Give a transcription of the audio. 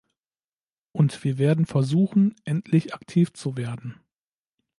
Und wir werden versuchen, endlich aktiv zu werden.